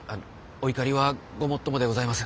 お怒りはごもっともでございます。